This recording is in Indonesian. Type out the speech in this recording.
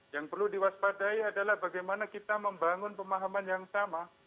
yang perlu diwaspadai adalah bagaimana kita membangun pemahaman yang sama